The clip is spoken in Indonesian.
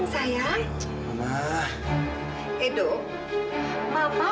itu sedang berupaya